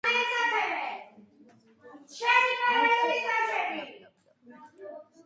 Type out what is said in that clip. ეს ქორწინება პოლიტიკური კავშირის შესაქმნელად იყო დანიის წინააღმდეგ.